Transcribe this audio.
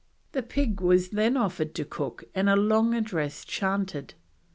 The pig was then offered to Cook and a long address chanted.